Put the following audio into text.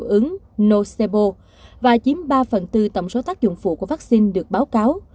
hiệu ứng nocebo và chiếm ba phần tư tổng số tác dụng phụ của vaccine được báo cáo